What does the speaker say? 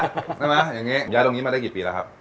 ใช่ไหมอย่างนี้ย้ายตรงนี้มาได้กี่ปีแล้วครับ